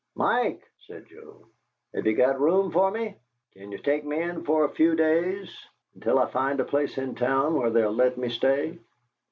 "Mike," said Joe, "have you got room for me? Can you take me in for a few days until I find a place in town where they'll let me stay?"